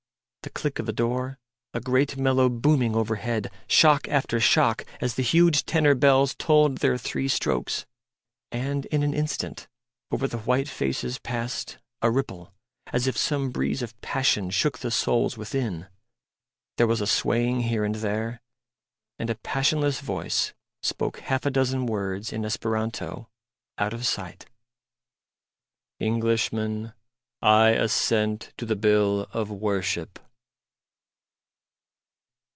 ... the click of a door; a great mellow booming over head, shock after shock, as the huge tenor bells tolled their three strokes; and, in an instant, over the white faces passed a ripple, as if some breeze of passion shook the souls within; there was a swaying here and there; and a passionless voice spoke half a dozen words in Esperanto, out of sight: "Englishmen, I assent to the Bill of Worship."